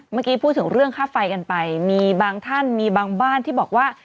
เมื่อกี้พูดถึงเรื่องค่าไฟกันไปมีบางท่านมีบางบ้านที่บอกว่า